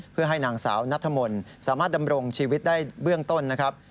เพื่อให้นางสาวนัทมนต์สามารถดำรงชีวิตได้เบื้องต้นนะครับ